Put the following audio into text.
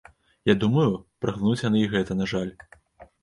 Я думаю, праглынуць яны і гэта, на жаль.